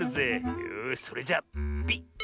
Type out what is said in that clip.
よしそれじゃピッ！